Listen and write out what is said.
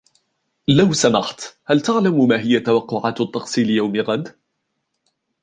لو سمحت ، هل تعلم ما هي توقعات الطقس ليوم غد ؟